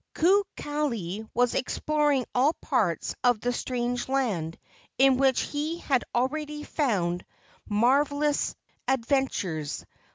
Kukali was exploring all parts of the strange land in which he had already found marvelous adventures.